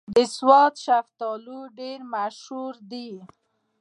د سوات شلتالو ډېر مشهور دي